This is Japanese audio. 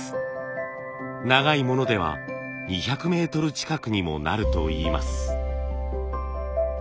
長いものでは２００メートル近くにもなるといいます。